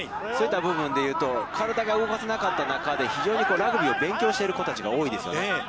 そういった部分で言うと、体が動かせなかった中で、非常にラグビーを勉強している子たちが多いですよね。